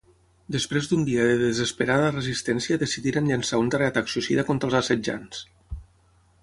Després d'un dia de desesperada resistència decidiren llançar un darrer atac suïcida contra els assetjants.